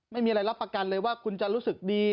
ไม่มีอะไรรับประกันเลยว่าคุณจะรู้สึกดี